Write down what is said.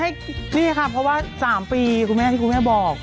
แม่คะคือนี่ค่ะเพราะว่า๓ปีคุณแม่ครูแม่บอก